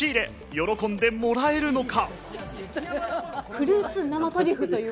喜んでもらえるのか？